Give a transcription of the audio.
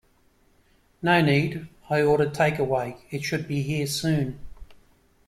No need, I ordered take away, it should be here soon.